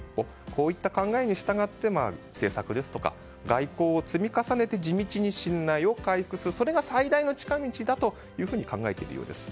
こういった考えに従って政策ですとか外交を積み重ねて、地道に信頼を回復することが最大の近道だと考えているようです。